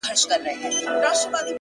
هغه د ساه کښلو لپاره جادوگري غواړي’